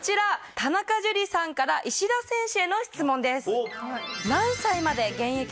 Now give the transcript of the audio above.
田中樹さんから石田選手への質問です。